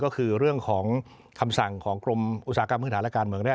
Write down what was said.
ก็คือเรื่องของคำสั่งของกรมอุตสาหกรรมมือธารการเหมือนแร่